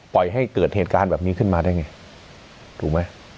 ปล่อยให้เกิดเหตุการณ์แบบนี้ขึ้นมาได้ไงถูกไหม